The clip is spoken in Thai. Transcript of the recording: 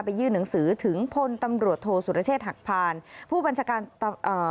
ยื่นหนังสือถึงพลตำรวจโทษสุรเชษฐ์หักพานผู้บัญชาการเอ่อ